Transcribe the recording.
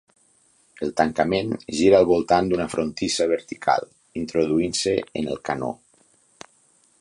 El tancament gira al voltant d'una frontissa vertical, introduint-se en el canó.